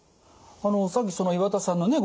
さっき岩田さんのね